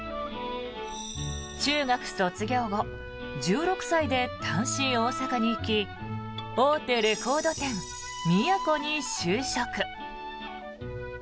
中学卒業後、１６歳で単身大阪に行き大手レコード店、ミヤコに就職。